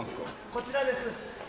こちらです。